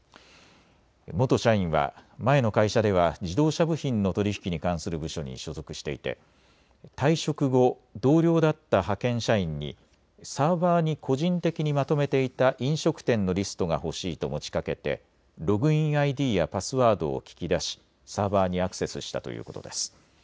元社員は前の会社では自動車部品の取り引きに関する部署に所属していて退職後、同僚だった派遣社員にサーバーに個人的にまとめていた飲食店のリストが欲しいと持ちかけてログインＩＤやパスワードを聞き出し、サーバーにアクセスしたということです。